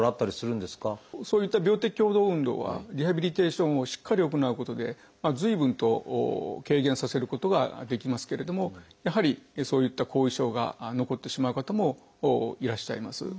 そういった病的共同運動はリハビリテーションをしっかり行うことで随分と軽減させることができますけれどもやはりそういった後遺症が残ってしまう方もいらっしゃいます。